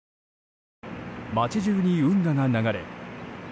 街中に運河が流れ